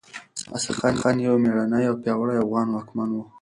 اسدالله خان يو مېړنی او پياوړی افغان واکمن و.